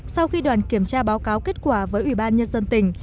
sau khi đoàn kiểm tra báo cáo kết quả với ủy ban nhân dân tỉnh